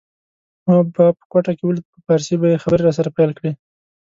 ما به په کوټه کي ولید په پارسي به یې خبري راسره پیل کړې